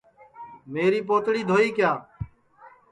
میری پوتڑی دھوئی کیا